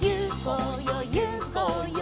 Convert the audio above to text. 「ゆこうよ